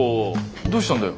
どうしたんだよ？